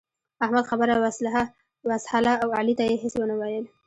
احمد خبره وسهله او علي ته يې هيڅ و نه ويل.